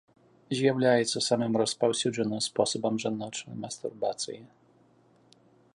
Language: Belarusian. З'яўляецца самым распаўсюджаным спосабам жаночай мастурбацыі.